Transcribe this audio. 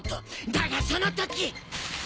だがその時。